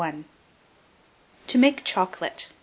TO MAKE CHOCOLATE.